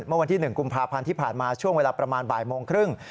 เมื่อวันที่๑กุมภาพันธ์ที่ผ่านมาช่วงเวลาประมาณบ่ายโมงครึ่ง